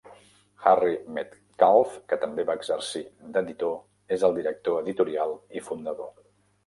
Harry Metcalfe, que també va exercir d'editor, és el director editorial i fundador.